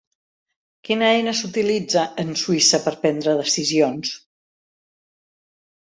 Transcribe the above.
Quina eina s'utilitza en Suïssa per prendre decisions?